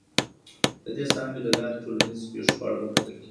د دې څانګې له لاري د ټولنیزو پیښو په اړه پوهیدل کیږي.